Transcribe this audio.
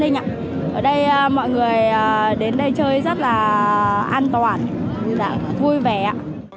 ở đây mọi người đến đây chơi rất là an toàn vui vẻ